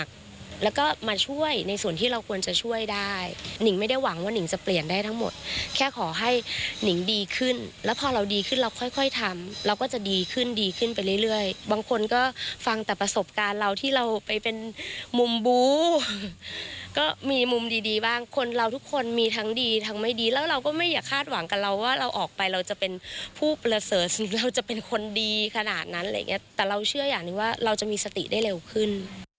แค่ขอให้หนิงดีขึ้นแล้วพอเราดีขึ้นเราค่อยทำเราก็จะดีขึ้นดีขึ้นไปเรื่อยบางคนก็ฟังแต่ประสบการณ์เราที่เราไปเป็นมุมบู้ก็มีมุมดีบ้างคนเราทุกคนมีทั้งดีทั้งไม่ดีแล้วเราก็ไม่อยากคาดหวังกับเราว่าเราออกไปเราจะเป็นผู้เบลอเสิร์ฟเราจะเป็นคนดีขนาดนั้นอะไรอย่างเงี้ยแต่เราเชื่ออย่างนี้ว่าเราจะมีสติได้เร็วขึ้น